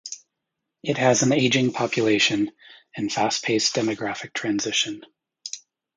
It has an aging population, and fast-paced demographic transition.